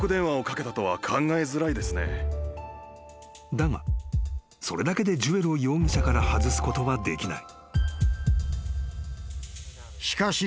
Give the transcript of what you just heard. ［だがそれだけでジュエルを容疑者から外すことはできない］